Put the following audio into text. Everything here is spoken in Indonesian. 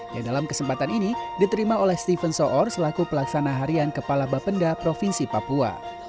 yang dalam kesempatan ini diterima oleh steven soor selaku pelaksana harian kepala bapenda provinsi papua